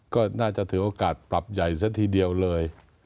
ก็น่าจะถือโอกาสปรับใหญ่ซะทีเดียวเลย